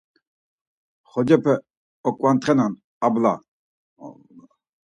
Xocepe oǩvantxenan abla!